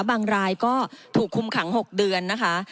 บางรายก็ถูกคุมขัง๖เดือนนะคะ